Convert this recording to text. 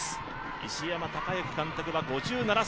石山隆之監督は５７歳。